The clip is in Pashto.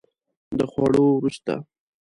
د خوړو وروسته